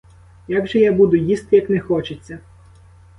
Як же я буду їсти, як не хочеться?